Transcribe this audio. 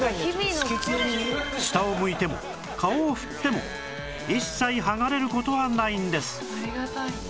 下を向いても顔を振っても一切剥がれる事はないんです